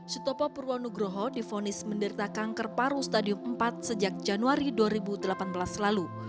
sutopo purwonugroho difonis menderita kanker paru stadium empat sejak januari dua ribu delapan belas lalu